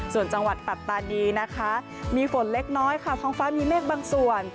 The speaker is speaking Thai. ส่วนจังหวัดปัตตานีนะคะมีฝนเล็กน้อยค่ะท้องฟ้ามีเมฆบางส่วน